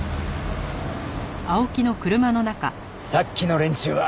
さっきの連中は？